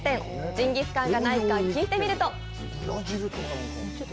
ジンギスカンがないか聞いてみると。